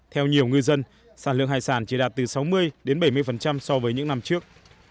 theo nhiều ngư dân sản lượng hải sản chỉ đạt từ sáu mươi đến bảy mươi so với những năm trước